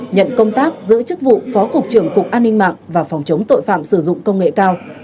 nhận công tác giữ chức vụ phó cục trưởng cục an ninh mạng và phòng chống tội phạm sử dụng công nghệ cao